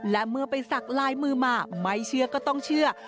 และเมื่อไปสักลายมือมาไม่เชื่อก็ต้องเชื่อ